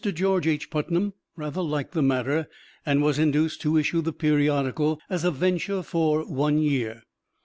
George H. Putnam rather liked the matter, and was induced to issue the periodical as a venture for one year.